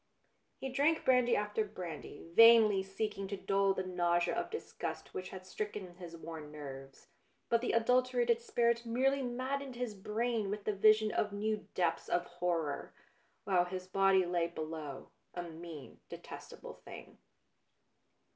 He drank brandy after brandy, vainly seeking to dull the nausea of disgust which had stricken his worn nerves ; but the adulterated spirit merely maddened his brain with the vision of new depths of horror, while his body lay below, a mean, detestable thing.